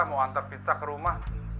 mau antar pizza ke rumah